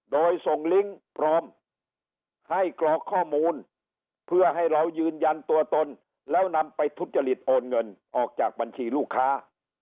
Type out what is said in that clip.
โดยส่งลิงก์ปลอมให้กรอกข้อมูลเพื่อให้เรายืนยันตัวตนแล้วนำไปทุจริตโอนเงินออกจากบัญชีลูกค้า